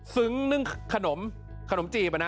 ซึ้งนึ่งขนมจีบนะ